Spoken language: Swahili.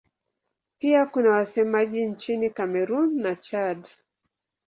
Pia kuna wasemaji nchini Kamerun na Chad.